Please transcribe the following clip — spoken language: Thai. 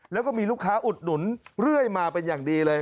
แล้วก็มีลูกค้าอุดหนุนเรื่อยมาเป็นอย่างดีเลย